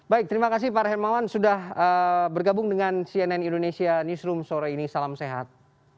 baik terima kasih pak hermawan sudah bergabung dengan cnn indonesia newsroom sore ini salam sehat